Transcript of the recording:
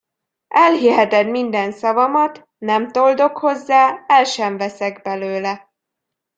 Elhiheted minden szavamat, nem toldok hozzá, el sem veszek belőle.